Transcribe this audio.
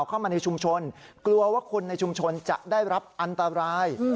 เข้ามาในชุมชนกลัวว่าคนในชุมชนจะได้รับอันตราย